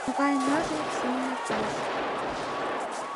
Могае ныжыл, сылне кас!